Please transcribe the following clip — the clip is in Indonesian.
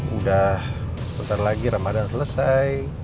udah sebentar lagi ramadhan selesai